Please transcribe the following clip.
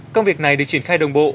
công việc này được triển khai đồng bộ